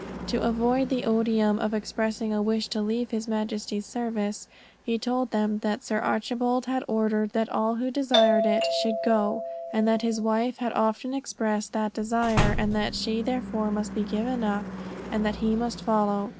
To avoid the oduim of expressing a wish to leave his majesty's service, he told them that Sir Archibald had ordered that all who desired it, should go; that his wife had often expressed that desire, that she therefore must be given up, and that he must follow.